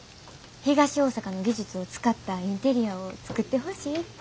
東大阪の技術を使ったインテリアを作ってほしいって。